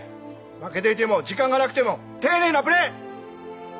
負けていても時間がなくても丁寧なプレー！